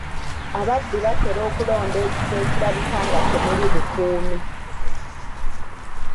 Ababbi batera okulonda ekifo ekirabika nga temuli bukuumi.